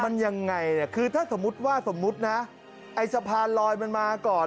มันยังไงเนี่ยคือถ้าสมมุติว่าสมมุตินะไอ้สะพานลอยมันมาก่อน